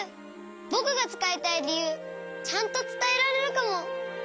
ぼくがつかいたいりゆうちゃんとつたえられるかも。